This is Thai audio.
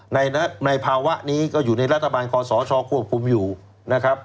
ในภาวะนี้ก็อยู่ในรัฐบาลคอสชควบคุมอยู่นะครับ